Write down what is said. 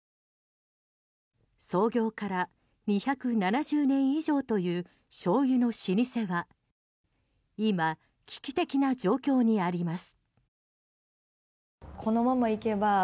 創業から２７０年以上というしょうゆの老舗は今、危機的な状況にあります。